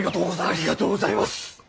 ありがとうございます！